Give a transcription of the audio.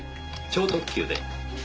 超特急で。